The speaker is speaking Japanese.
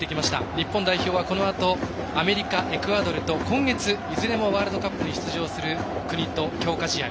日本代表はこのあとアメリカ、エクアドルと今月いずれもワールドカップに出場する国と強化試合。